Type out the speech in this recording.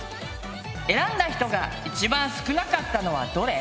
選んだ人が一番少なかったのはどれ？